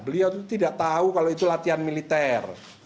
beliau itu tidak tahu kalau itu latihan militer